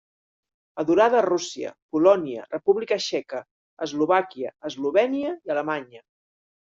Adorada a Rússia, Polònia, República Txeca, Eslovàquia, Eslovènia i Alemanya.